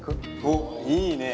おっいいね。